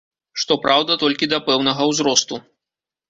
Што праўда, толькі да пэўнага ўзросту.